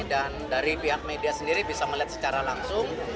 dan dari pihak media sendiri bisa melihat secara langsung